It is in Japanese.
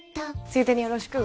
ついでによろしく！